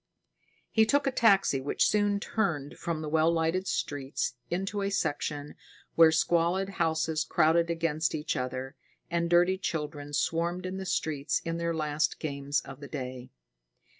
He took a taxi, which soon turned from the well lighted streets into a section where squalid houses crowded against each other, and dirty children swarmed in the streets in their last games of the day.